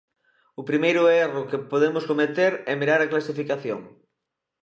O primeiro erro que podemos cometer é mirar a clasificación.